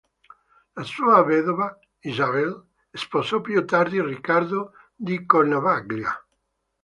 La sua vedova, Isabel, sposò più tardi Riccardo di Cornovaglia.